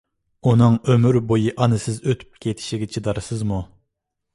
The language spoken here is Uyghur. ئۇنىڭ ئۆمۈر بويى ئانىسىز ئۆتۈپ كېتىشىگە چىدارسىزمۇ؟